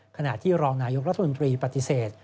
ขณะที่รองนายกรัฐมนตรีปฏิเสธ